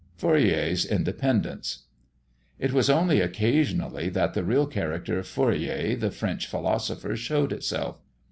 FOURIER'S INDEPENDENCE. It was only occasionally that the real character of Fourier, the French philosopher, showed itself.